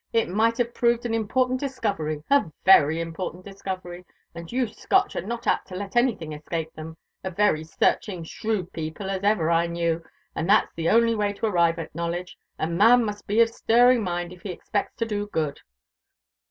It might have proved an important discovery a very important discovery; and your Scotch are not apt to let anything escape them a very searching, shrewd people as ever I knew and that's the only way to arrive at knowledge. A man must be of a stirring mind if he expects to do good."